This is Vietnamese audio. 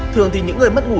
thường thì những người mất ngủ